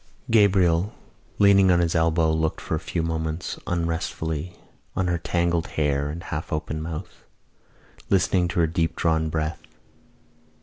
Gabriel, leaning on his elbow, looked for a few moments unresentfully on her tangled hair and half open mouth, listening to her deep drawn breath.